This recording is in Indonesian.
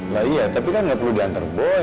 lah iya tapi kan gak perlu diantar boy